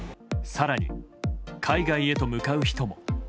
更に海外へと向かう人も。